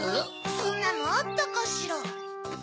そんなのあったかしら？